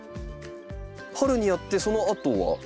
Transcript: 春にやってそのあとは。